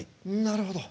なるほど。